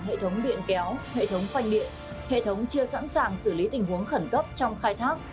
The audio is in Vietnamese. hệ thống điện kéo hệ thống phanh điện hệ thống chưa sẵn sàng xử lý tình huống khẩn cấp trong khai thác